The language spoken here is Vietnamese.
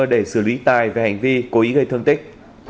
để xử lý tài về hành vi cố ý gây thương tích